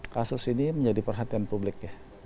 kasus ini menjadi perhatian publik ya